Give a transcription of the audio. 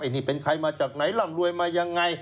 นี่เป็นใครมาจากไหนร่ำรวยมายังไง